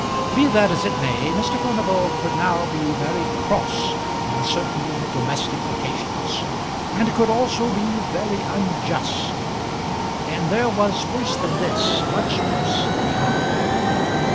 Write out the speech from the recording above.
Be that as it may, Mr. Furnival could now be very cross on certain domestic occasions, and could also be very unjust. And there was worse than this, much worse behind.